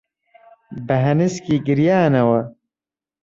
بە هەنسکی گریانەوە